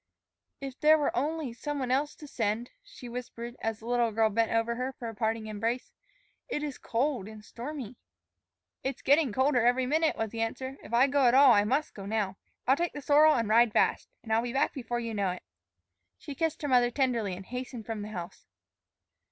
"If there were only some one else to send," she whispered as the little girl bent over her for a parting embrace. "It is cold and stormy." "It's getting colder every minute," was the answer. "If I go at all, I must go now. I'll take the sorrel and ride fast. And I'll be back before you know it." She kissed her mother tenderly and hastened from the house.